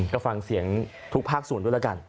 ก็ฟังเสียงทุกภาคศูนย์ด้วยละกัน